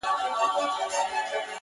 هغه به اوس جامع الکمالات راته وايي~